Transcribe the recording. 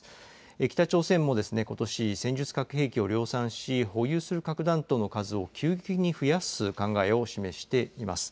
北朝鮮もことし、戦術核兵器を量産し、保有する核弾頭の数を急激に増やす考えを示しています。